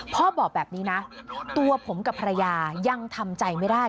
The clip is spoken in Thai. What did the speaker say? บอกแบบนี้นะตัวผมกับภรรยายังทำใจไม่ได้